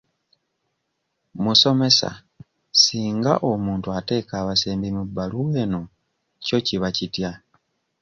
Musomesa singa omuntu ateeka abasembi mu bbaluwa eno kyo kiba kitya?